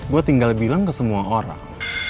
gue tinggal bilang ke semua orang